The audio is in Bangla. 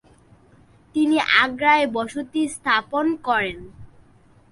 তিনি আগ্রায় বসতি স্থাপন করেন।